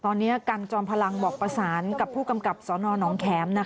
ตอนนี้กันจอมพลังบอกประสานกับผู้กำกับสนหนองแขม